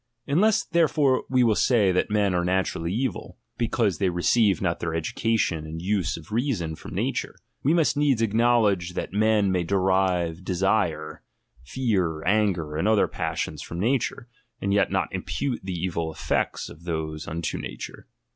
Unless therefore we will say that men are naturally evil, because they receive not their education and use of reason from nature, we must needs aeknow ;e that men may derive desire, fear, anger, and flther passions from nature, and yet not impute evil effects of those unto nature.